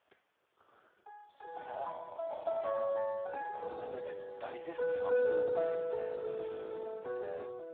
改めて大絶賛ですね。